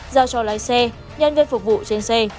giao cho lái xe nhân viên phục vụ trên xe